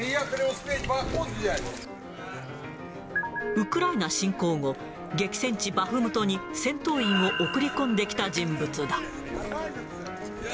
ウクライナ侵攻後、激戦地、バフムトに戦闘員を送り込んできた人物だ。